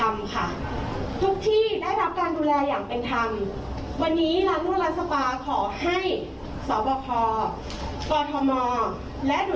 เราหยุดกรีจการมาเป็นเวลาเดี่ยวกว่าแล้ว